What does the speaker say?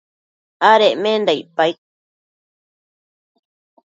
adecmenda icpaid